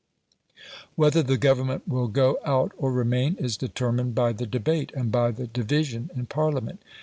Whether the Government will go out or remain is determined by the debate, and by the division in Parliament.